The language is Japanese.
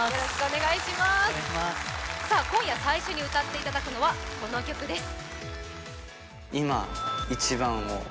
今夜最初に歌っていただくのは、この曲です。